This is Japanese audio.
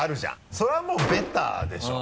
それはもうベタでしょ。